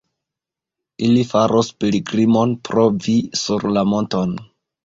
Ili faros pilgrimon pro vi sur la monton.